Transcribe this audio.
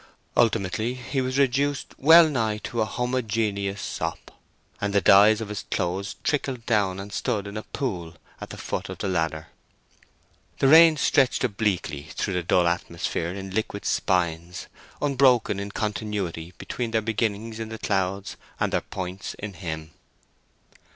Ultimately he was reduced well nigh to a homogeneous sop, and the dyes of his clothes trickled down and stood in a pool at the foot of the ladder. The rain stretched obliquely through the dull atmosphere in liquid spines, unbroken in continuity between their beginnings in the clouds and their points in him.